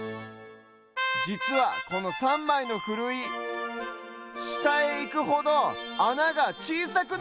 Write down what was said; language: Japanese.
じつはこの３まいのふるいしたへいくほどあながちいさくなってる！